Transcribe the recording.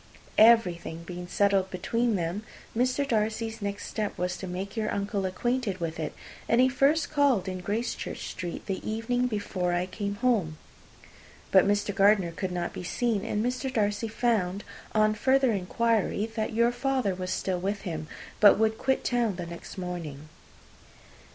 Everything being settled between them, Mr. Darcy's next step was to make your uncle acquainted with it, and he first called in Gracechurch Street the evening before I came home. But Mr. Gardiner could not be seen; and Mr. Darcy found, on further inquiry, that your father was still with him, but would quit town the next morning.